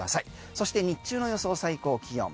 そして、日中の予想最高気温。